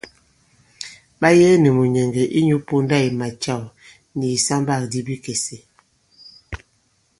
Ɓa yɛɛ nì mùnyɛ̀ŋgɛ̀ inyū ponda i macàw nì ìsambâkdi bikèse.